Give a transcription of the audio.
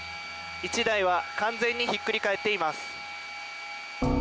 １台は完全にひっくり返っています。